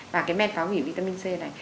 và cái men phá hủy vitamin c này